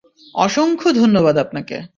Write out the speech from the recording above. অসংখ্য ধন্যবাদ আপনাকে!